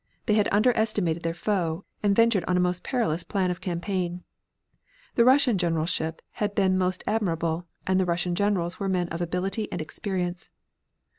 They had underestimated their foe, and ventured on a most perilous plan of campaign. Russian generalship had been most admirable, and the Russian generals were men of ability and experience.